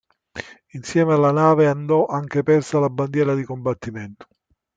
Insieme alla nave andò anche persa la bandiera di combattimento.